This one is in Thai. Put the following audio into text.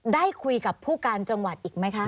ได้คุยกับผู้การจังหวัดอีกไหมคะ